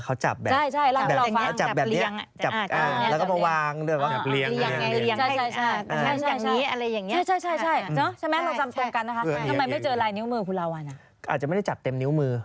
อาจจะไม่ได้จับเต็มนิ้วมือ